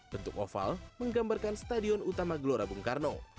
bentuk oval menggambarkan stadion utama gelora bung karno